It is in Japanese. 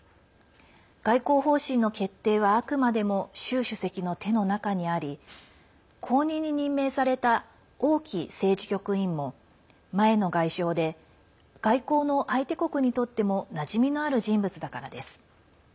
外交方針の決定は、あくまでも習主席の手の中にあり後任に任命された王毅政治局委員も前の外相で外交の相手国にとってもなじみのある人物だからです。